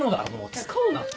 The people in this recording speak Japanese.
使うなって！